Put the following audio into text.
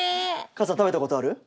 母さん食べたことある？